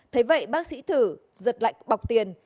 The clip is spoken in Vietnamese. thế vậy bác sĩ thử giật lạnh bọc tiền